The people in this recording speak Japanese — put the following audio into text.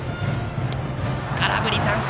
空振り三振。